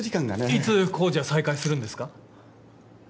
いつ工事は再開するんですか？